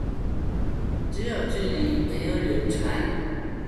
只有距離沒有遠傳